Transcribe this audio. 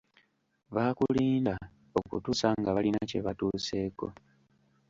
Baakulinda okutuusa nga balina kye batuuseeko.